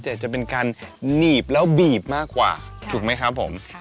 แต่จะเป็นการหนีบแล้วบีบมากกว่าถูกไหมครับผม